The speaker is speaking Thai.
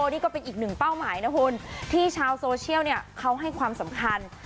นี่ก็เป็นอีกหนึ่งเป้าหมายนะคุณที่ชาวโซเชียลเขาให้ความสำคัญ